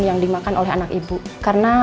yang dimakan oleh anak ibu karena